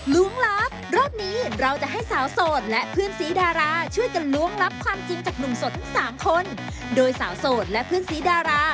นุ่มโสดและเพื่อนซีดารา